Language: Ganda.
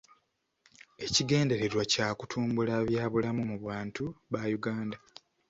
Ekigendererwa kya kutumbula bya bulamu mu bantu ba Uganda.